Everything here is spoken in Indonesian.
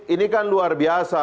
ini kan luar biasa